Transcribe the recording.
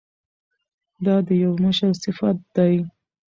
دا د یو مشر صفت دی.